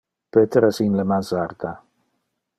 Peter es in le mansarda.